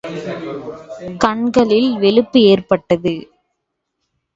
கண்களில் வெளுப்பு ஏற்பட்டது.